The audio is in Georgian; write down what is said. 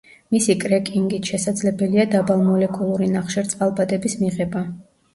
მისი კრეკინგით შესაძლებელია დაბალმოლეკულური ნახშირწყალბადების მიღება.